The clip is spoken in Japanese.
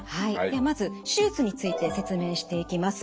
ではまず手術について説明していきます。